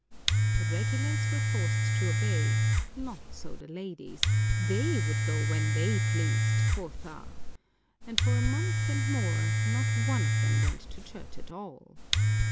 The regulars were forced to obey ; not so the ladies — they would go when they pleased, quotha ! and for a month and more, not one of them went to church at all.